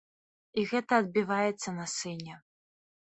І гэта адбіваецца на сыне.